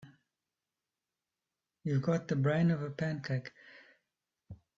You've got the brain of a pancake.